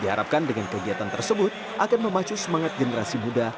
diharapkan dengan kegiatan tersebut akan memacu semangat generasi muda